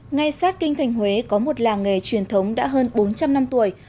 ngay sát kinh thành huế có một làng nghề truyền thống đã hơn bốn trăm linh năm tuổi